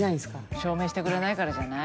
証明してくれないからじゃない？